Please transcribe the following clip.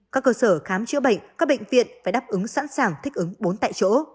các cơ sở khám chữa bệnh các bệnh viện phải đáp ứng sẵn sàng thích ứng bốn tại chỗ